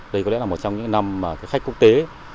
đây có lẽ là một trong những năm mà khách quốc tế